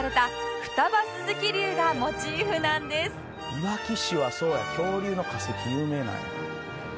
「いわき市はそうや恐竜の化石有名なんや」